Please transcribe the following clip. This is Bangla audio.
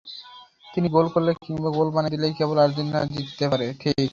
তিনি গোল করলে কিংবা গোল বানিয়ে দিলেই কেবল আর্জেন্টিনা জিততে পারে।